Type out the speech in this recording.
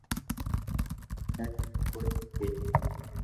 ھي ھون ڪوئي ڪئي ھگو